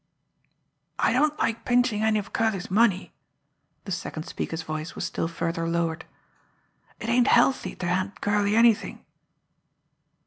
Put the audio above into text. "I don't like pinchin' any of Curley's money." The second speaker's voice was still further lowered. "It ain't healthy ter hand Curley anything."